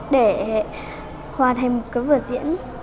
để hoàn thành một cái vợ diễn